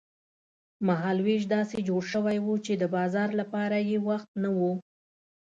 مهال وېش داسې جوړ شوی و چې د بازار لپاره یې وخت نه و.